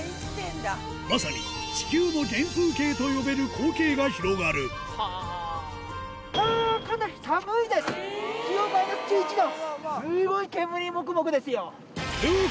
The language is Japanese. まさに「地球の原風景」と呼べる光景が広がる気温マイナス１１度！